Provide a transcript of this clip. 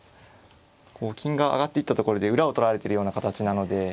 こう金が上がっていったところで裏を取られてるような形なので。